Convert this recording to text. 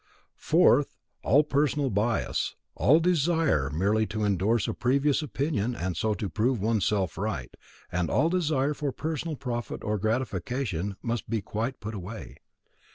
Fourth, all personal bias—all desire merely to indorse a previous opinion and so prove oneself right, and all desire for personal profit or gratification must be quite put away.